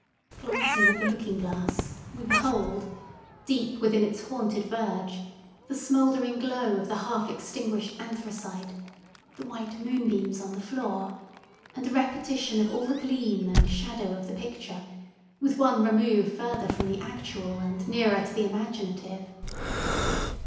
Glancing at the looking glass, we behold—deep within its haunted verge—the smouldering glow of the half extinguished anthracite, the white moon beams on the floor, and a repetition of all the gleam and shadow of the picture, with one remove further from the actual, and nearer to the imaginative.